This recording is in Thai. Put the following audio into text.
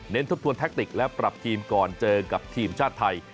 ทบทวนแทคติกและปรับทีมก่อนเจอกับทีมชาติไทย